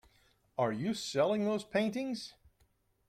Are you selling those paintings?